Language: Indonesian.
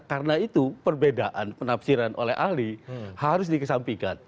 karena itu perbedaan penafsiran oleh ahli harus dikesampikan